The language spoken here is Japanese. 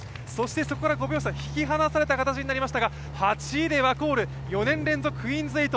そこから５秒差、引き離された形になりますが８位でワコール、４年連続クイーンズ８